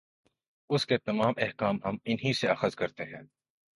اُس کے تمام احکام ہم اِنھی سے اخذ کرتے ہیں